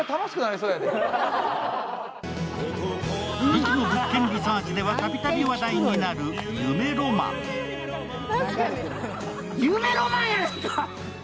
ミキの「物件リサーチ」ではたびたび話題になる「夢浪漫」。